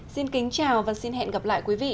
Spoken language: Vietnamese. xin kính chào và hẹn gặp lại quý vị